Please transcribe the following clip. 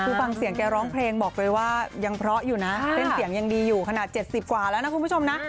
คือฟังเสียงแกร้องเพลงบอกเลยว่ายังเพราะอยู่นะเส้นเสียงยังดีอยู่ขนาด๗๐กว่าแล้วนะคุณผู้ชมนะ